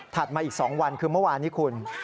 มาอีก๒วันคือเมื่อวานนี้คุณ